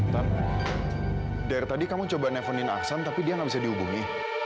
tan dari tadi kamu coba nefonin aksan tapi dia gak bisa dihubungi